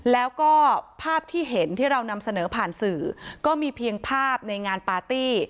แล้วก็ภาพที่เห็นที่เรานำเสนอผ่านสื่อก็มีเพียงภาพในงานปาร์ตี้